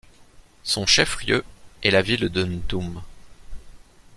Son chef-lieu est la ville de Ntoum.